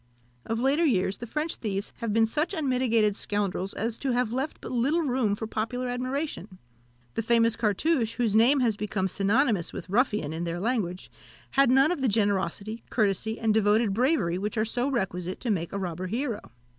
Of later years, the French thieves have been such unmitigated scoundrels as to have left but little room for popular admiration. The famous Cartouche, whose name has become synonymous with ruffian in their language, had none of the generosity, courtesy, and devoted bravery which are so requisite to make a robber hero.